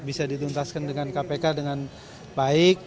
bisa dituntaskan dengan kpk dengan baik